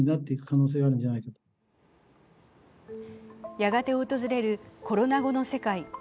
やがて訪れるコロナ後の世界。